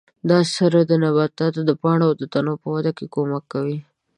دا سره د نباتاتو د پاڼو او تنو په وده کې کومک کوي.